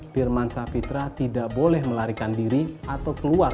firman sahfitra tidak boleh melarikan diri atau penuntutan